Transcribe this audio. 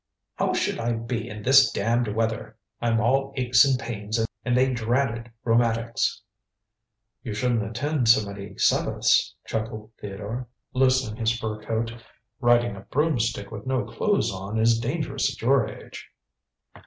"How should I be in this damned weather? I'm all aches and pains and they dratted rheumatics." "You shouldn't attend so many Sabbaths," chuckled Theodore, loosening his fur coat. "Riding a broom stick with no clothes on is dangerous at your age."